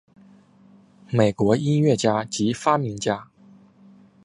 美国音乐家及发明家。